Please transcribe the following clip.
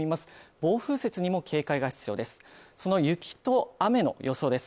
暴風雪にも警戒が必要です。